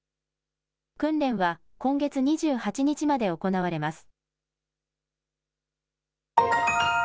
訓練は今月２８日まで行われます。